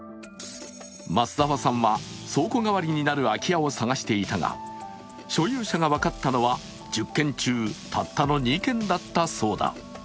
増澤さんは倉庫代わりになる空き家を探していたが所有者が分かったのは１０軒中たったの２軒だったそうだ。